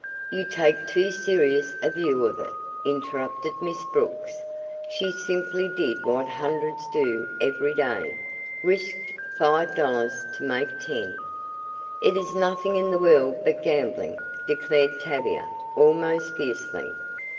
"You take too serious a view of it," interrupted Miss Brooks. "She simply did what hundreds do every day risked five dollars to make ten " "It is nothing in the world but gambling!" declared Tavia almost fiercely.